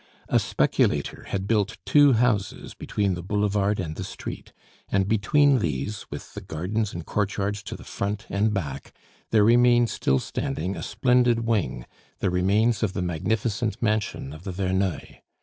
A speculator had built two houses between the boulevard and the street; and between these, with the gardens and courtyards to the front and back, there remained still standing a splendid wing, the remains of the magnificent mansion of the Verneuils.